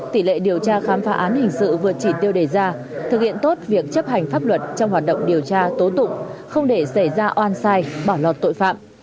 tỷ lệ điều tra khám phá án hình sự vượt chỉ tiêu đề ra thực hiện tốt việc chấp hành pháp luật trong hoạt động điều tra tố tụng không để xảy ra oan sai bỏ lọt tội phạm